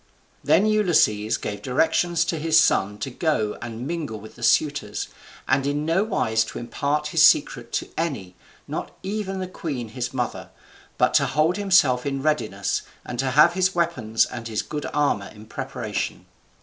Then Ulysses gave directions to his son to go and mingle with the suitors, and in nowise to impart his secret to any, not even to the queen his mother, but to hold himself in readiness, and to have his weapons and his good armour in preparation.